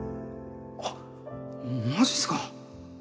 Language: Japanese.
あっマジっすか？